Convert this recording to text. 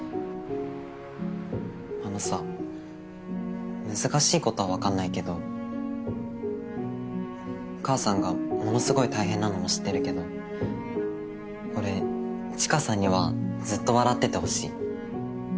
あのさ難しいことは分かんないけど母さんがものすごい大変なのも知ってるけど俺知花さんにはずっと笑っててほしい。